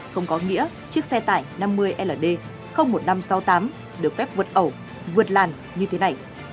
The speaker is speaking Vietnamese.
không có nghĩa chiếc xe tải năm mươi ld một nghìn năm trăm sáu mươi tám được phép vượt ẩu vượt làn như thế này